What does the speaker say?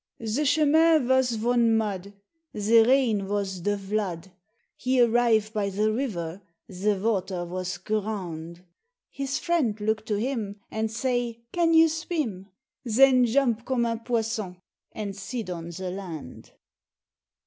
Ze chemin vos von mud, Ze rain vos ze vlood, He arrive by ze river, ze water vos "grand," His friend look to him And say, "Can you swim?" Zen jomp comme un poisson and sit on ze land.